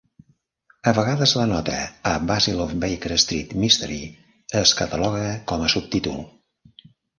A vegades la nota "A Basil of Baker Street mystery" es cataloga com a subtítol.